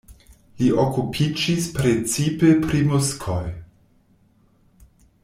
Li okupiĝis precipe pri muskoj.